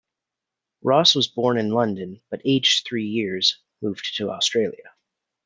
Ross was born in London but aged three years, moved to Australia.